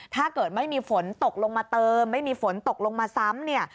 ถ้าเกิดไม่มีฝนตกลงมาเติมไม่มีฝนตกลงมาซ้ำเนี่ย